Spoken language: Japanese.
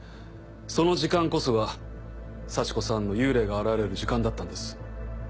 その時間こそが幸子さんの幽霊が現れる時間だったんです。